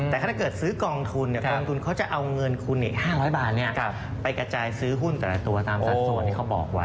แต่ถ้าเกิดซื้อกองทุนกองทุนเขาจะเอาเงินคุณอีก๕๐๐บาทไปกระจายซื้อหุ้นแต่ละตัวตามสัดส่วนที่เขาบอกไว้